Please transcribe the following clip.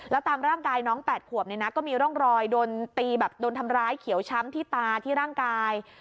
แล้วตามร่างกายน้องแปดขวบในนั้นก็มีร่องรอยโดนทำร้ายเขียวช้ำที่ตาที่ร่างกาย